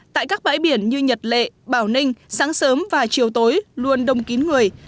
tại các bãi biển như nhật lệ bảo ninh sáng sớm và chiều tối luôn đông kín người